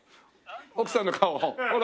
奥さんの顔ほら。